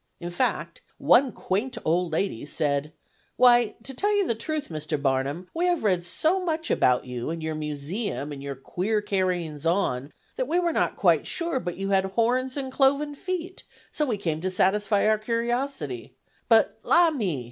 In fact, one quaint old lady said: "Why, to tell you the truth, Mr. Barnum, we have read so much about you, and your Museum and your queer carryings on, that we were not quite sure but you had horns and cloven feet, and so we came to satisfy our curiosity; but, la, me!